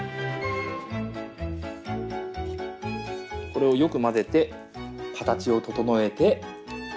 これをよく混ぜて形を整えて。